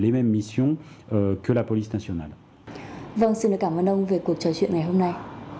vâng xin cảm ơn ông về cuộc trò chuyện ngày hôm nay